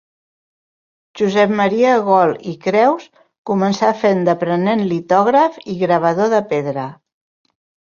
Josep Maria Gol i Creus començà fent d'aprenent litògraf i gravador de pedra.